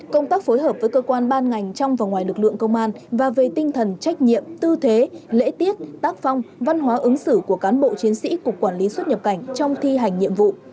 công tác phối hợp với cơ quan ban ngành trong và ngoài lực lượng công an và về tinh thần trách nhiệm tư thế lễ tiết tác phong văn hóa ứng xử của cán bộ chiến sĩ cục quản lý xuất nhập cảnh trong thi hành nhiệm vụ